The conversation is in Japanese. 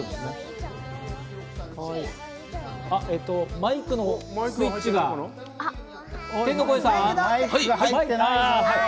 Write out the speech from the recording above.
あの、マイクのスイッチが、はい。